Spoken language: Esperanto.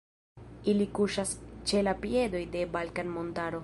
Ili kuŝas ĉe la piedoj de Balkan-montaro.